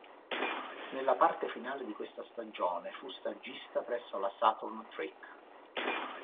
Nella parte finale di questa stagione fu stagista presso la Saturn-Trek.